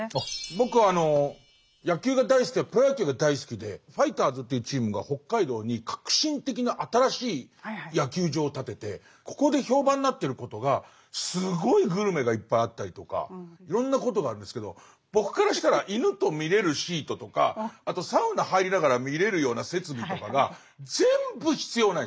僕は野球が大好きでプロ野球が大好きでファイターズというチームが北海道に革新的な新しい野球場を建ててここで評判になってることがすごいグルメがいっぱいあったりとかいろんなことがあるんですけど僕からしたら犬と見れるシートとかあとサウナ入りながら見れるような設備とかが全部必要ないんですもん。